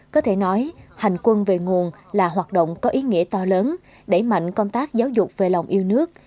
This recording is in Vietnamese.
có thể nói hành quân về nguồn là hoạt động có ý nghĩa to lớn đẩy mạnh công tác giáo dục về lòng yêu nước